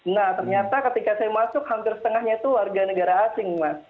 nah ternyata ketika saya masuk hampir setengahnya itu warga negara asing mas